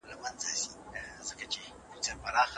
موږ باید په نړۍ کي د ورورولۍ پيغام خپور کړو.